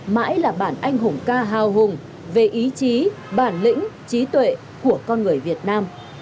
mãi là bản anh hùng ca hào hùng về ý chí bản lĩnh trí tuệ của con người việt nam